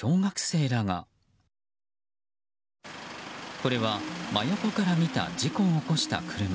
これは、真横から見た事故を起こした車。